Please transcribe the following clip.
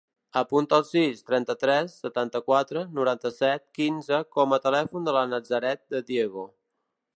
Apunta el sis, trenta-tres, setanta-quatre, noranta-set, quinze com a telèfon de la Nazaret De Diego.